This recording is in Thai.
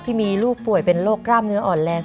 ที่มีลูกป่วยเป็นโรคกล้ามเนื้ออ่อนแรง